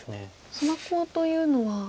ソバコウというのは。